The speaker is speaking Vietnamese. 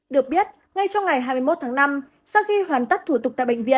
được biết ngay trong ngày hai mươi một tháng năm sau khi hoàn tất thủ tục tại bệnh viện